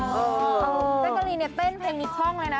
เจ้ากะลีเนี่ยเต้นเพลงอีกช่องเลยนะ